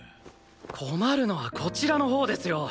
困るのはこちらのほうですよ！